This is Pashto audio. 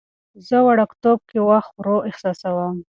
زه وړوکتوب کې وخت ورو احساسوم.